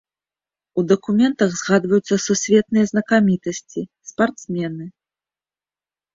У дакументах згадваюцца сусветныя знакамітасці, спартсмены.